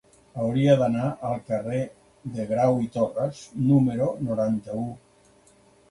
Hauria d'anar al carrer de Grau i Torras número noranta-u.